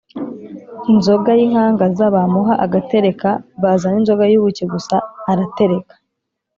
inzoga y’inkangaza bamuha agatereka, bazana inzoga y’ubuki gusa aratereka.